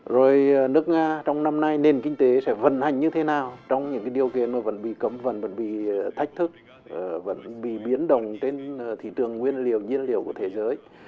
rồi nước nga trong năm nay nền kinh tế sẽ vận hành như thế nào trong những điều kiện mà vẫn bị cấm vận vẫn bị thách thức vẫn bị biến động trên thị trường nguyên liệu nhiên liệu của thế giới